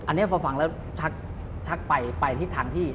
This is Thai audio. อันนี้พอฟังแล้วชักไปไปทิศทางที่